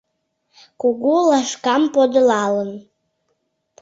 Кугу лашкам подылалын